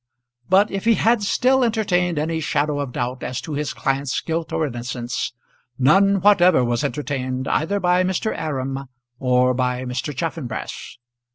But if he had still entertained any shadow of doubt as to his client's guilt or innocence, none whatever was entertained either by Mr. Aram or by Mr. Chaffanbrass.